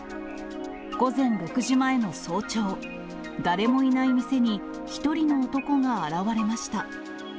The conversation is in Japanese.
午前６時前の早朝、誰もいない店に１人の男が現れました。